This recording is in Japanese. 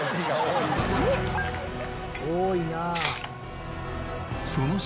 「多いなあ」